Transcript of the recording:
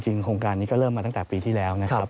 โครงการนี้ก็เริ่มมาตั้งแต่ปีที่แล้วนะครับ